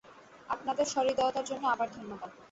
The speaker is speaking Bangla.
আপনাদের সহৃদয়তার জন্য আবার ধন্যবাদ।